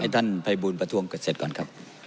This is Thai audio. ไอ้ท่านไภบูลประทวงเกิดเสร็จก่อนครับ